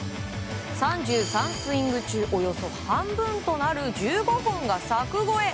３３スイング中およそ半分となる１５本が柵越え。